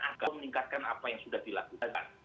agar meningkatkan apa yang sudah dilakukan